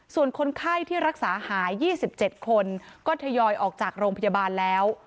ส่วนคนไข้ที่รักษาหาย๒๗คนก็ทยอยออกจากโรงพยาบาลแล้ว